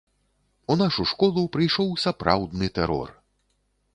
У нашу школу прыйшоў сапраўдны тэрор.